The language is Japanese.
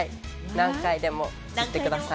何回でも言ってください。